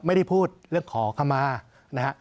ไม่ได้พูดเรื่องขอคำมานะครับ